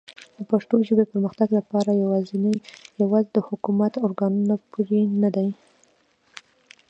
د پښتو ژبې پرمختګ لپاره کار یوازې د حکومتي ارګانونو پورې نه دی.